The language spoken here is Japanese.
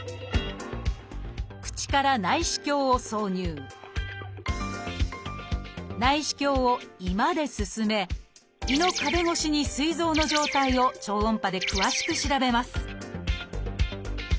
口から内視鏡を挿入内視鏡を胃まで進め胃の壁越しにすい臓の状態を超音波で詳しく調べます